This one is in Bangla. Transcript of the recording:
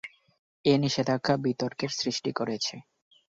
এ নিষেধাজ্ঞা বিতর্কের সৃষ্টি করেছে।